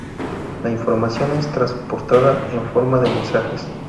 La información es transportada en forma de mensajes.